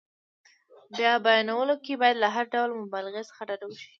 په بیانولو کې باید له هر ډول مبالغې څخه ډډه وشي.